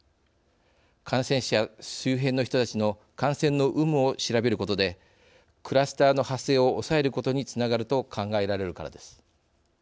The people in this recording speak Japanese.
感染者周辺の人たちの感染の有無を調べることでクラスターの発生を抑えることにつながると考えられるからです。